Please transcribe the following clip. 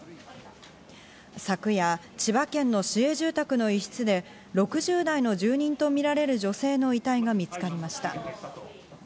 昨夜、千葉県の市営住宅の一室で６０代の住人とみられる女性の遺体が見つかりました。